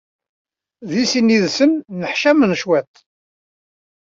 Deg sin yid-sen nneḥcamen cwiṭ.